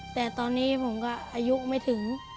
แต่ตอนนี้ผมก็อายุไม่ถึง